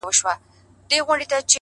پر ده به نو ايله پدر لعنت له مينې ژاړي _